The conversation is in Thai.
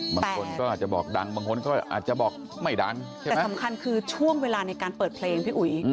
บางคนก็อาจจะบอกดังบางคนก็อาจจะบอกไม่ดังแต่สำคัญคือช่วงเวลาในการเปิดเพลงพี่อุ๋ย